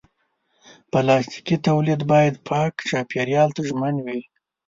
پلاستيکي تولید باید پاک چاپېریال ته ژمن وي.